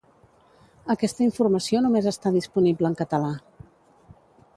Aquesta informació només està disponible en català.